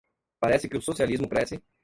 Parece que o socialismo cresce...